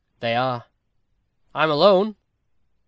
"They are." "I am alone."